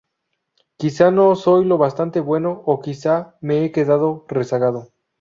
Quizá no soy lo bastante bueno o quizá me he quedado rezagado.